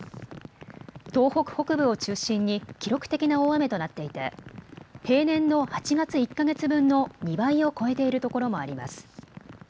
東北北部を中心に記録的な大雨となっていて、平年の８月１か月分の２倍を超えている所もあります。